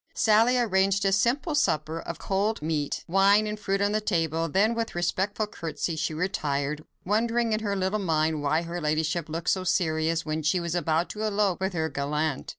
Sally arranged a simple supper of cold meat, wine, and fruit on the table, then with a respectful curtsey, she retired, wondering in her little mind why her ladyship looked so serious, when she was about to elope with her gallant.